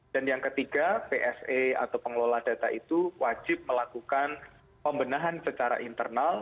dan yang ketiga pse atau pengelola data itu wajib melakukan pembenahan secara internal